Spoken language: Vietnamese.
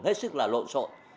hết sức là lộn sội